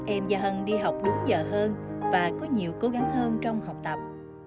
em gia hân đi học đúng giờ hơn và có nhiều cố gắng hơn trong học tập